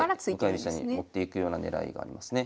向かい飛車に持っていくような狙いがありますね。